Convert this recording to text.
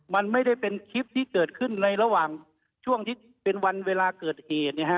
มันไม่ได้เป็นคลิปที่เกิดขึ้นในระหว่างช่วงที่เป็นวันเวลาเกิดเหตุ